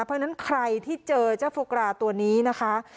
เพราะฉะนั้นใครที่เจอเจ้าโฟกราตัวนี้นะคะ